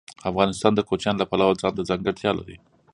افغانستان د کوچیانو له پلوه ځانته ځانګړتیا لري.